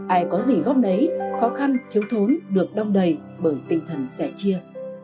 ai có gì góp nấy khó khăn thiếu thốn được đong đầy bởi tinh thần sẻ chia